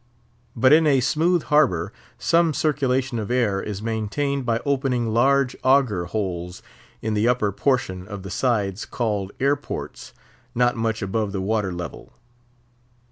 But in a smooth harbour, some circulation of air is maintained by opening large auger holes in the upper portion of the sides, called "air ports," not much above the water level.